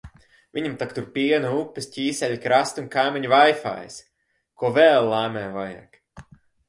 Viņam tak tur piena upes, ķīseļa krasti un kaimiņa vaifajs! Ko vēl laimei vajag?